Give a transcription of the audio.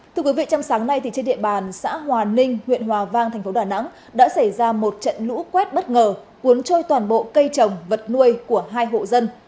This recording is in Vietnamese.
thưa quý vị trong sáng nay trên địa bàn xã hòa ninh huyện hòa vang thành phố đà nẵng đã xảy ra một trận lũ quét bất ngờ cuốn trôi toàn bộ cây trồng vật nuôi của hai hộ dân